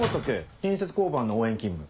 隣接交番の応援勤務。